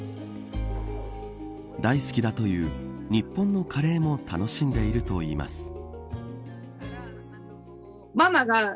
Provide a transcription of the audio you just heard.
大好きだという日本のカレーも楽しんでいるといいます。